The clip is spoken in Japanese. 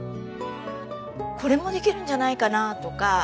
これもできるんじゃないかなとか